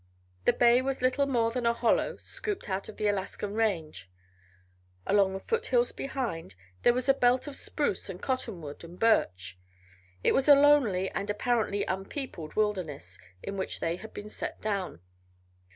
The bay was little more than a hollow scooped out of the Alaskan range; along the foothills behind there was a belt of spruce and cottonwood and birch. It was a lonely and apparently unpeopled wilderness in which they had been set down.